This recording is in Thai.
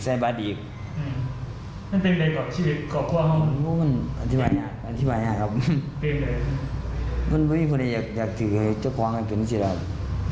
ไม่ได้โคตรเอิญกินอย่างไรแปลก